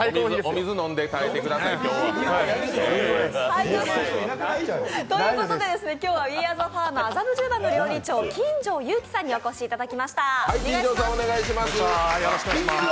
お水、飲んで耐えてください、今日は。ということで、今日はＷＥＡＲＥＴＨＥＦＡＲＭ麻布十番の料理長金城有紀さんにお越しいただきました。